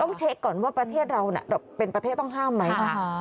เช็คก่อนว่าประเทศเราเป็นประเทศต้องห้ามไหม